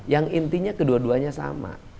yang intinya kedua duanya sama